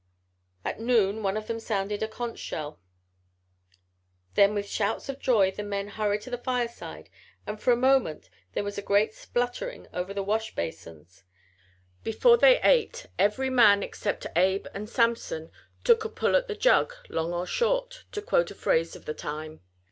At noon one of them sounded a conch shell. Then with shouts of joy the men hurried to the fireside and for a moment there was a great spluttering over the wash basins. Before they ate every man except Abe and Samson "took a pull at the jug long or short" to quote a phrase of the time.